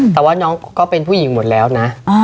แต่ว่าน้องก็เป็นผู้หญิงหมดแล้วนะ